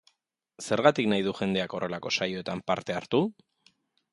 Zergatik nahi du jendeak horrelako saioetan parte hartu?